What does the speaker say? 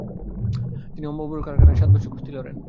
তিনি অম্বুবাবুর আখড়ায় সাত বছর কস্তি লড়েন।